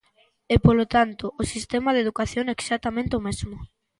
E, polo tanto, o sistema de educación, exactamente o mesmo.